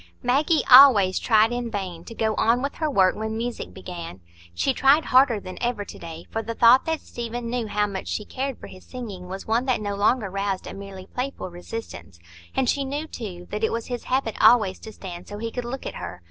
Maggie always tried in vain to go on with her work when music began. She tried harder than ever to day; for the thought that Stephen knew how much she cared for his singing was one that no longer roused a merely playful resistance; and she knew, too, that it was his habit always to stand so that he could look at her.